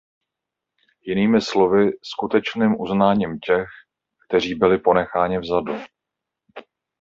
Jinými slovy, skutečným uznáním těch, kteří byli ponecháni vzadu.